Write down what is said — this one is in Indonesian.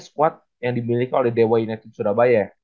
squad yang dimiliki oleh dewa united surabaya